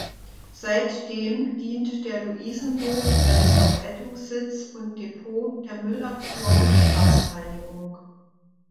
Seitdem dient der Luisenhof als Verwaltungssitz und Depot der Müllabfuhr und Straßenreinigung.